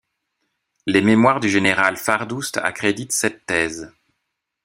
Les mémoires du général Fardoust accréditent cette thèse.